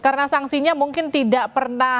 karena sangsinya mungkin tidak pernah menjelaskan